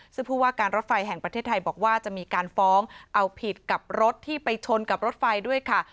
ซึ่งผู้ว่าการรถไฟแห่งประเทศไทยบอกว่าจะมีการฟ้องเอาผิดกับรถที่ไปชนกับรถไฟด้วยค่ะ